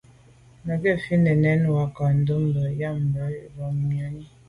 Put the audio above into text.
Mə́ gə̀ fít nə̀ nɛ̌n wákà ndɛ̂mbə̄ yɑ̀mə́ má gə̀ rə̌ mòní.